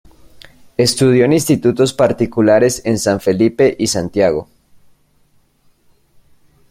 Estudió en institutos particulares en San Felipe y Santiago.